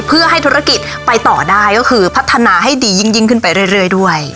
เพื่อให้ธุรกิจไปต่อได้ก็คือพัฒนาให้ดียิ่งขึ้นไปเรื่อยด้วย